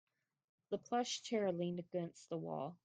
The plush chair leaned against the wall.